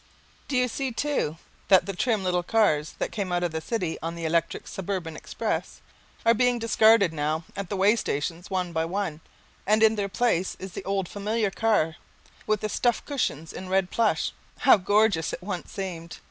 Do you see, too, that the trim little cars that came out of the city on the electric suburban express are being discarded now at the way stations, one by one, and in their place is the old familiar car with the stuff cushions in red plush (how gorgeous it once seemed!)